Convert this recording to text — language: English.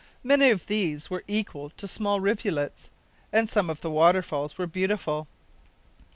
Many of these were equal to small rivulets, and some of the waterfalls were beautiful.